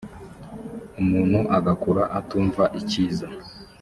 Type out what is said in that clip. umuntu agakura atumva icyiza